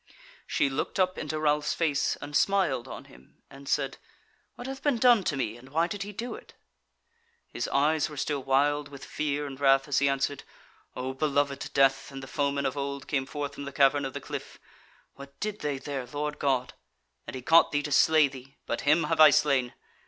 She looked up into Ralph's face, and smiled on him and said: "What hath been done to me, and why did he do it?" His eyes were still wild with fear and wrath, as he answered: "O Beloved, Death and the foeman of old came forth from the cavern of the cliff. What did they there, Lord God? and he caught thee to slay thee; but him have I slain.